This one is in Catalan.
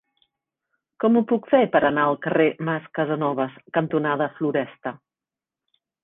Com ho puc fer per anar al carrer Mas Casanovas cantonada Floresta?